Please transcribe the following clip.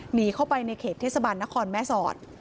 หนีเข้าไปในเขตเทศบาลนครแม่สอด